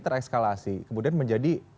terekskalasi kemudian menjadi